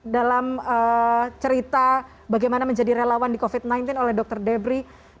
dalam cerita bagaimana menjadi relawan di covid sembilan belas oleh dokter debri